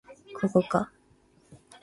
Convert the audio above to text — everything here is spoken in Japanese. ここか